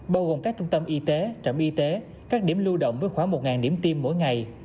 bao gồm các trung tâm y tế trạm y tế các điểm lưu động với khoảng một điểm tiêm mỗi ngày